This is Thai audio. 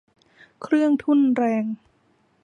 เครื่องทุ่นแรง